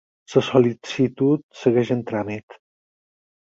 La sol·licitud segueix en tràmit.